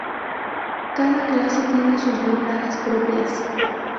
Cada clase tiene sus ventajas propias.